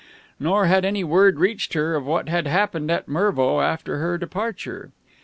Nor had any word reached her of what had happened at Mervo after her departure.